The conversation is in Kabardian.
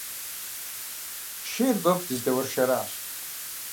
Шейр вэху, дызэдэуэршэращ.